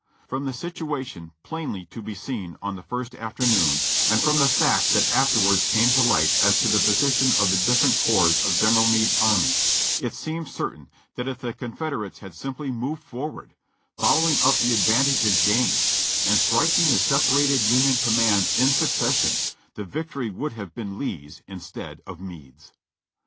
"From the situation plainly to be seen on the first afternoon, and from the facts that afterwards came to light as to the position of the different corps of General Meade's army, it seems certain that if the Confederates had simply moved forward, following up the advantages gained, and striking the separated Union com mands in succession, the victory would have been Lee's instead of Meade's.